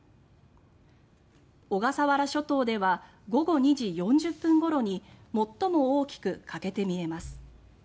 小笠原諸島では午後２時４０分ごろに最も大きく欠けて見えます。